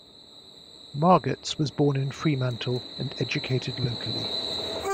Margetts was born in Fremantle and educated locally.